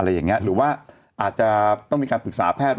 อะไรอย่างนี้หรือว่าอาจจะต้องมีการปรึกษาแพทย์